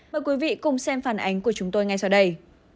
mời quý vị cùng xem phản ánh của chúng tôi ngay sau đây